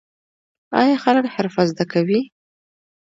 آیا خلک حرفه زده کوي؟